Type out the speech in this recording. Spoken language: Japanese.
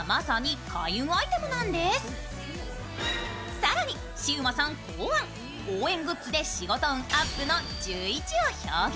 更に、シウマさん考案、応援グッズで仕事運アップの１１を表現。